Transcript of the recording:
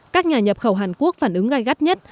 các nhà nhập khẩu hàn quốc phản ứng gai gắt nhất